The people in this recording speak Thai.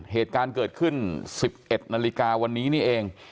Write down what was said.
เหตุการณ์เกิดขึ้น๑๑นาฬิกาวันนี้นี่เอง